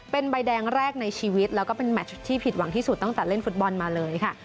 เป็นใบแดงแรกในชีวิตแล้วก็เป็นแมชที่ผิดหวังที่สุดตั้งแต่เล่นฟุตบอลมาเลยค่ะ